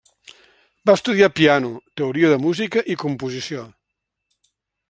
Va estudiar piano, teoria de música i composició.